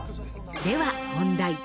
では問題。